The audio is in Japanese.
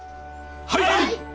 はい！